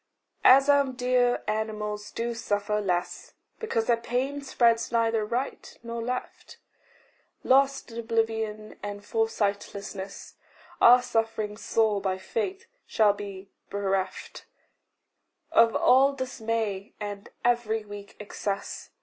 As our dear animals do suffer less Because their pain spreads neither right nor left, Lost in oblivion and foresightlessness Our suffering sore by faith shall be bereft Of all dismay, and every weak excess.